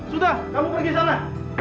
sudah kamu pergi sana